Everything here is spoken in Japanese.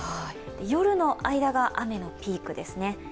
夜の間が雨のピークですね。